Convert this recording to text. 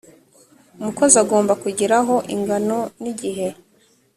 umukozi agomba kugeraho ingano n’igihe